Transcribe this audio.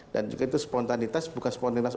juga itu spontanitas bukan spontanitas